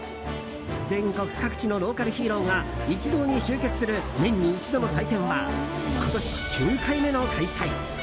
全国各地のローカルヒーローが一堂に集結する年に一度の祭典は今年９回目の開催。